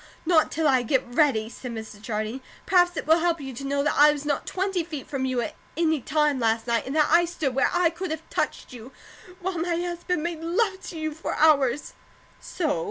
"Not till I get ready," said Mrs. Jardine. "Perhaps it will help you to know that I was not twenty feet from you at any time last night; and that I stood where I could have touched you, while my husband made love to you for hours." "So?"